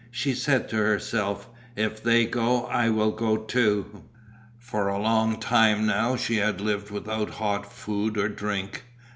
She said to herself: "If they go I will go too." For a long time now she had lived without hot food or drink.